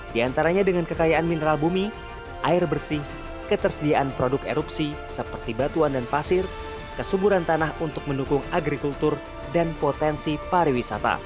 di antaranya dengan kekayaan mineral bumi air bersih ketersediaan produk erupsi seperti batuan dan pasir kesuburan tanah untuk mendukung agrikultur dan potensi pariwisata